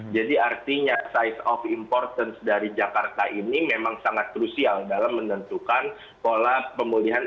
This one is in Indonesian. jadi artinya size of importance dari jakarta ini memang sangat crucial dalam menentukan pola pemulihan ekonomi